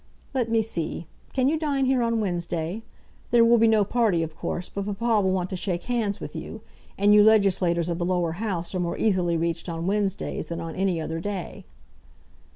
Let me see, can you dine here on Wednesday? There will be no party, of course, but papa will want to shake hands with you; and you legislators of the Lower House are more easily reached on Wednesdays than on any other day."